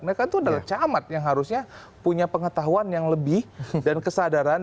mereka itu adalah camat yang harusnya punya pengetahuan yang lebih dan kesadaran